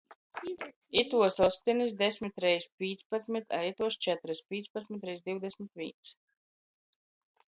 Ituos ostonis — desmit reiz pīcpadsmit, a ituos četrys — pīcpadsmit reiz divdesmit vīns!